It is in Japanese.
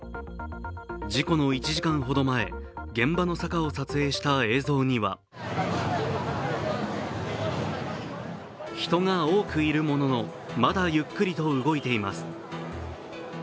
事故の１時間ほど前現場の坂を撮影した映像には人が多くいるものの、まだゆっくりと動いています。